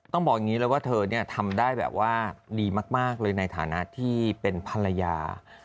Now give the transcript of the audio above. ต้องบอกอย่างนี้เลยว่าเธอทำได้แบบว่าดีมากเลยในฐานะที่เป็นภรรยา